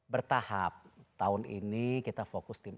bertahap tahun ini kita fokus tim